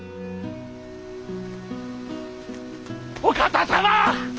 お方様！